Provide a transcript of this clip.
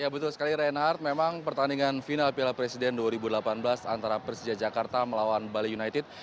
ya betul sekali reinhardt memang pertandingan final piala presiden dua ribu delapan belas antara persija jakarta melawan bali united